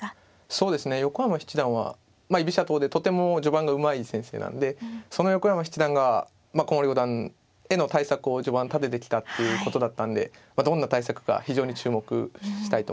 そうですね横山七段は居飛車党でとても序盤がうまい先生なんでその横山七段が古森五段への対策を序盤立ててきたっていうことだったんでどんな対策か非常に注目したいと思います。